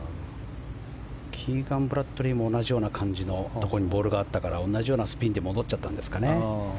キーガン・ブラッドリーも同じようなところにボールがあったから同じようなスピンで戻っちゃったんですかね。